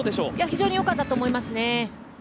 非常によかったと思いますね。